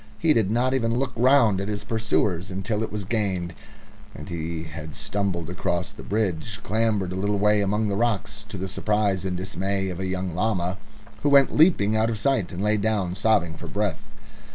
He did not even look round at his pursuers until it was gained, and he had stumbled across the bridge, clambered a little way among the rocks, to the surprise and dismay of a young llama, who went leaping out of sight, and lay down sobbing for breath.